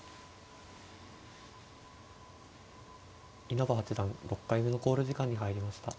稲葉八段６回目の考慮時間に入りました。